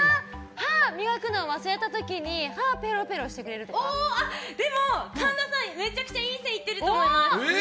歯を磨くのを忘れた時に歯をぺろぺろしてくれるとか？神田さん、めちゃくちゃいい線いってると思います。